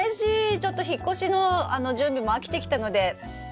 ちょっと引っ越しの準備も飽きてきたのでタカさんと最後の。